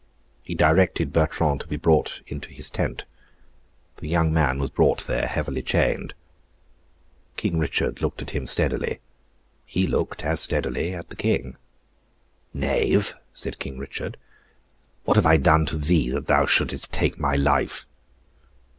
He directed Bertrand to be brought into his tent. The young man was brought there, heavily chained, King Richard looked at him steadily. He looked, as steadily, at the King. 'Knave!' said King Richard. 'What have I done to thee that thou shouldest take my life?